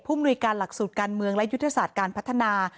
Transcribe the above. มนุยการหลักสูตรการเมืองและยุทธศาสตร์การพัฒนา